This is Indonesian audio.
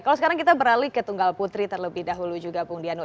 kalau sekarang kita beralih ke tunggal putri terlebih dahulu juga bung diano